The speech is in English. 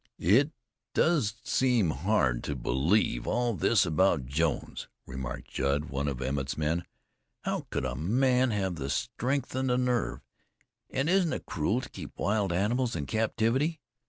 "It does seem hard to believe all this about Jones," remarked Judd, one of Emmett's men. "How could a man have the strength and the nerve? And isn't it cruel to keep wild animals in captivity?